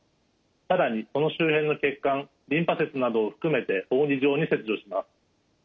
更にその周辺の血管リンパ節などを含めて扇状に切除します。